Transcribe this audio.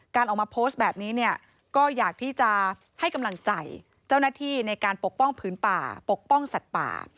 การออกมาโพสต์แบบนี้เนี่ยก็อยากที่จะให้กำลังใจเจ้าหน้าที่ในการปกป้องผืนป่าปกป้องสัตว์ป่า